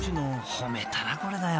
［褒めたらこれだよ